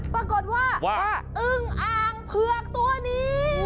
ปรากฏว่าอึ้งอ่างเผือกตัวนี้